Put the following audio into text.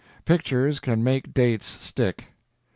Pictures can make dates stick.